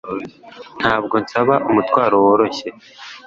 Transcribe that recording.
Ntabwo nsaba umutwaro woroshye